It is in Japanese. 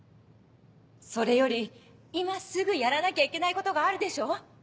それより今すぐやらなきゃいけないことがあるでしょ？